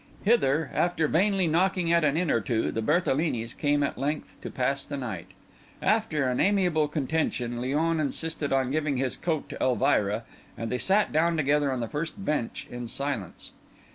Hither, after vainly knocking at an inn or two, the Berthelinis came at length to pass the night. After an amiable contention, Léon insisted on giving his coat to Elvira, and they sat down together on the first bench in silence.